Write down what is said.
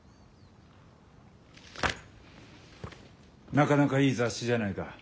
なかなかいい雑誌じゃないか。